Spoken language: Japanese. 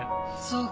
そう。